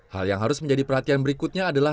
hal yang harus menjadi perhatian berikutnya adalah